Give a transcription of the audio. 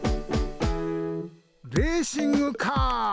レーシングカー！